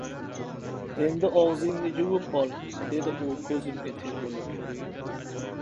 — Endi og‘zingni yuvib ol, — dedi u ko‘zimga termilib. —